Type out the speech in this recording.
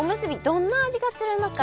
どんな味がするのか。